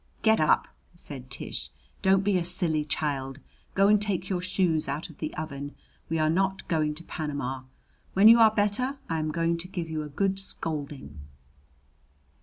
"Get up!" said Tish. "Don't be a silly child. Go and take your shoes out of the oven. We are not going to Panama. When you are better, I am going to give you a good scolding."